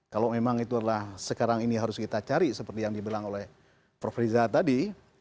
kalau memang itu adalah sekarang ini harus kita cari seperti yang dibilang oleh prof riza tadi